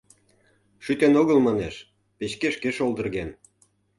— Шӱтен огыл, манеш, печке шке шолдырген.